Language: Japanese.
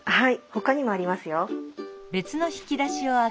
ほかにもありますよ。